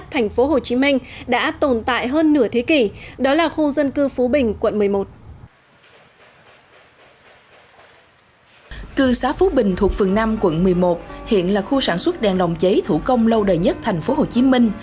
hồ chí minh thuộc phường năm quận một mươi một hiện là khu sản xuất đèn lồng cháy thủ công lâu đời nhất thành phố hồ chí minh